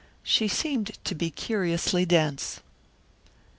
She seemed to be curiously dense.